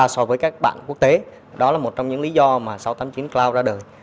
so với các bạn quốc tế đó là một trong những lý do mà sáu trăm tám mươi chín cloud ra đời